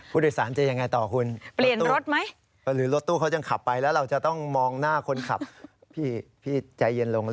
ผู้โดยสารจะยังไงต่อคุณ